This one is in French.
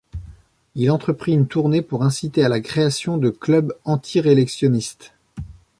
Il entreprit une tournée pour inciter à la création de clubs anti-réelectionistes.